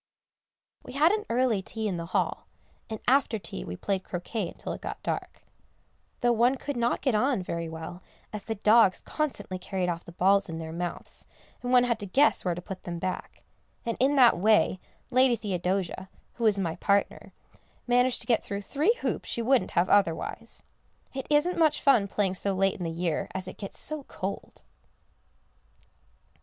We had an early tea in the hall, and after tea we played croquet until it got dark, though one could not get on very well as the dogs constantly carried off the balls in their mouths, and one had to guess where to put them back, and in that way Lady Theodosia, who was my partner, managed to get through three hoops she wouldn't have otherwise. It isn't much fun playing so late in the year, as it gets so cold.